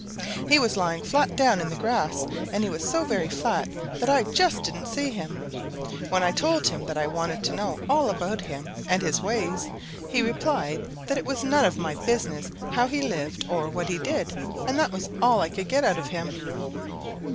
He was lying flat down in the grass and he was so very flat that I just didn't see him. When I told him that I wanted to know all about him and his ways, he replied that it was none of my business how he lived or what he did, and that was all I could get out of him.